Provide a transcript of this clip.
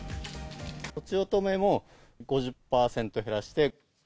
とちおとめも５０％減らして。